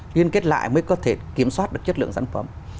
liên kết lại mới có thể kiểm soát được chất lượng sản phẩm